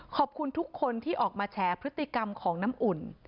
ขอบคุณทุกคนที่ออกมาแฉพฤติกรรมของน้ำอุ่น